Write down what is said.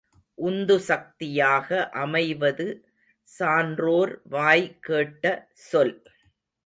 உந்துசக்தியாக அமைவது சான்றோர் வாய்கேட்ட சொல்.